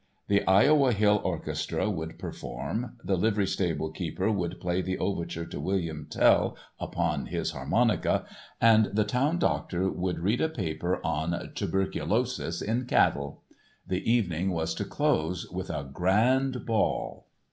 The Iowa Hill orchestra would perform, the livery stable keeper would play the overture to "William Tell" upon his harmonica, and the town doctor would read a paper on "Tuberculosis in Cattle." The evening was to close with a "grand ball."